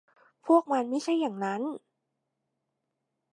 พวกมันไม่ใช่อย่างนั้น